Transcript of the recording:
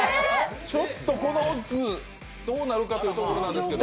ちょっとこのオッズ、どうなるかというところなんですけど。